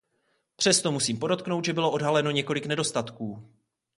Přesto musím podotknout, že bylo odhaleno několik nedostatků.